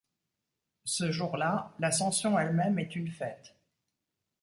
Ce jour-là, l'ascension elle-même est une fête.